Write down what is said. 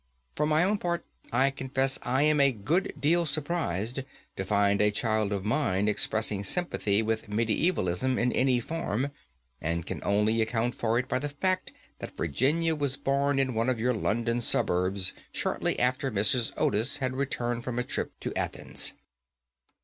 For my own part, I confess I am a good deal surprised to find a child of mine expressing sympathy with mediævalism in any form, and can only account for it by the fact that Virginia was born in one of your London suburbs shortly after Mrs. Otis had returned from a trip to Athens."